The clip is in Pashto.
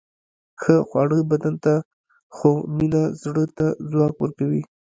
ښه خواړه بدن ته، خو مینه زړه ته ځواک ورکوي.